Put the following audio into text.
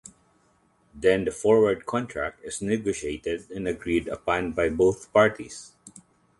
Then the forward contract is negotiated and agreed upon by both parties.